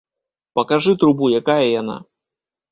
Пакажы трубу, якая яна!